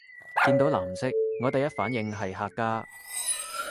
見到藍色我第一反應係客家